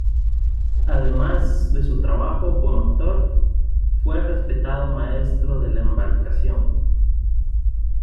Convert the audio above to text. Además de su trabajo como actor, fue un respetado maestro de la embarcación.